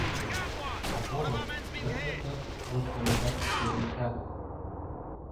А повар лыт-лыт-лыт воштылешат, пелешта: